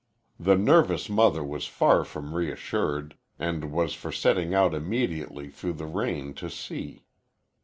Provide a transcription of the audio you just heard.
The nervous mother was far from reassured, and was for setting out immediately through the rain to see.